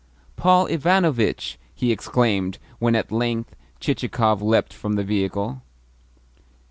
"Paul Ivanovitch!" he exclaimed when at length Chichikov leapt from the vehicle.